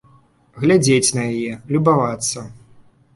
Глядзець на яе, любавацца.